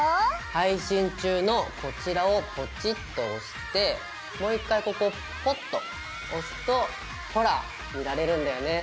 配信中のこちらをポチッと押してもう１回ここポッと押すとほら見られるんだよね。